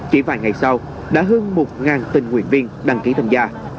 chỉ vài ngày sau đã hơn một tình nguyện viên đăng ký tham gia